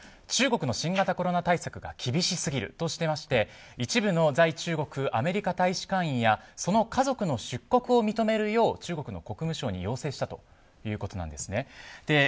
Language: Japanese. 中国の新型コロナ対策が厳しすぎるとしていまして一部の在中国アメリカ大使館員やその家族の出国を認めるよう中国の国務省に要請したということなんですね。